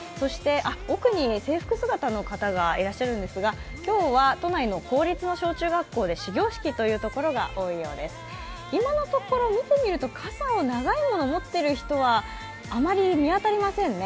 奥に制服姿の方がいらっしゃるんですが、今日は都内の公立の小学校で始業式というところが多いようです、今のところ見てみると傘を長いものを持っている人はあまり見当たりませんね。